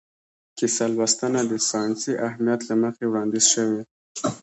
کیسه لوستنه د ساینسي اهمیت له مخې وړاندیز شوې.